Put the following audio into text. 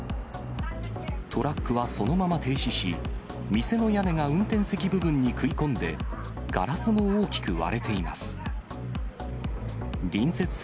トラックはそのまま停止し、店の屋根が運転席部分に食い込んで、ガラスも大きく割れています。